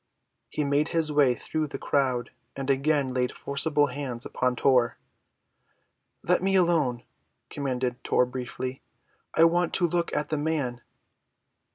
He made his way through the crowd and again laid forcible hands upon Tor. "Let me alone," commanded Tor briefly. "I want to look at the man."